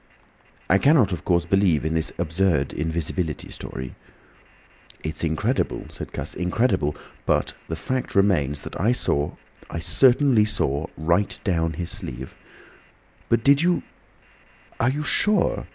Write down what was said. I cannot of course believe in this absurd invisibility story—" "It's incredible," said Cuss—"incredible. But the fact remains that I saw—I certainly saw right down his sleeve—" "But did you—are you sure?